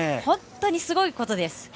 本当にすごいことです。